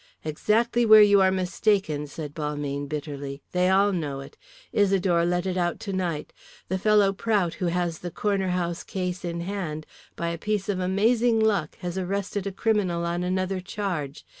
"Exactly where you are mistaken," said Balmayne, bitterly. "They all know it. Isidore let it out tonight. The fellow Prout, who has the Corner House case in hand, by a piece of amazing luck has arrested a criminal on another charge.